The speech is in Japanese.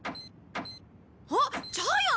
あっジャイアン！